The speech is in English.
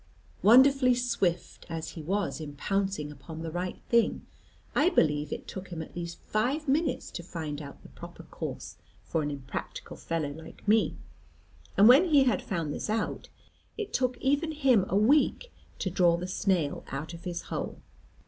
Wonderfully swift as he was in pouncing upon the right thing, I believe it took him at least five minutes to find out the proper course for an impracticable fellow like me. And when he had found this out, it took even him a week to draw the snail out of his hole.